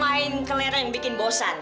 main kelereng bikin bosan